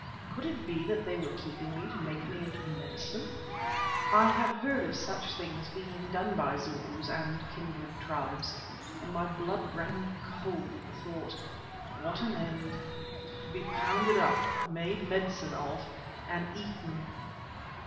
Could it be that they were keeping me to make me into medicine? I had heard of such things being done by Zulus and kindred tribes, and my blood ran cold at the thought. What an end! To be pounded up, made medicine of, and eaten!